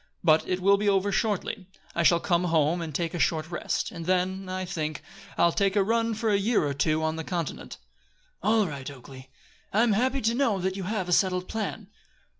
But it will be over shortly. I shall come home and take a short rest, and then, I think, I'll take a run for a year or two on the continent." "All right, Oakleigh. I am happy to know that you have a settled plan."